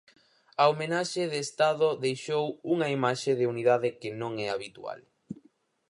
A homenaxe de Estado deixou unha imaxe de unidade que non é habitual.